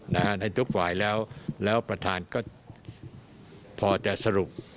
ในทุกฝ่ายแล้วแล้วประธานก็พอจะสรุป